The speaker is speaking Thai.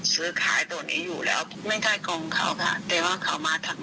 ซื้อขายตัวนี้อยู่แล้วไม่ใช่กองเขาค่ะแต่ว่าเขามาทาง